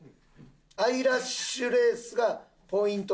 アイラッシュレースがポイントのショーツ。